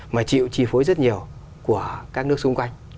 mà chịu chi phối rất nhiều của các nước xung quanh